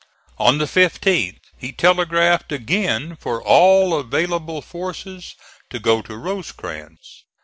On the 15th he telegraphed again for all available forces to go to Rosecrans.